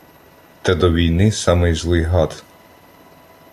Та до війни самий злий гад: